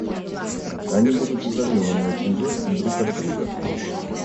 Они будут изолированы от нее и друг от друга